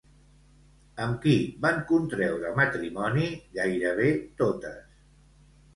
Amb qui van contreure matrimoni gairebé totes?